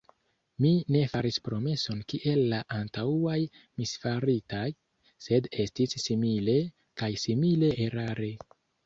Mi ne faris promeson kiel la antaŭaj misfaritaj; sed estis simile, kaj simile erare.